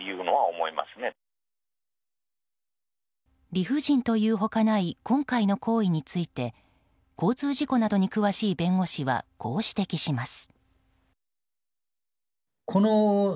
理不尽というほかない今回の行為について交通事故などに詳しい弁護士はこう指摘します。